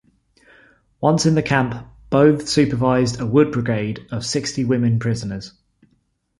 Once in the camp Bothe supervised a wood brigade of sixty women prisoners.